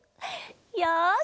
よし！